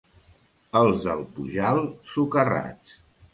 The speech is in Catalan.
Els del Pujal, socarrats.